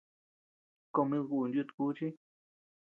Comida kun yuta kuchi.